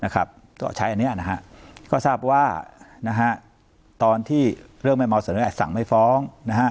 ก็ใช้อันนี้นะครับก็ทราบว่าตอนที่เรื่องแม่เมาเสนอแอดสั่งไม่ฟ้อง